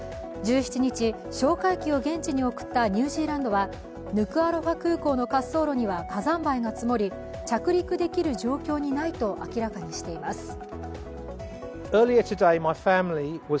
１７日、哨戒機を現地に送ったニュージーランドはヌクアロファ空港の滑走路には火山灰が積もり着陸できる状況にないと明らかにしています。